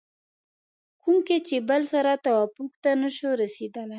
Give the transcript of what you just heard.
کوم کې چې بل سره توافق ته نشو رسېدلی